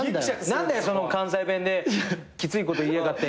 その関西弁できついこと言いやがって」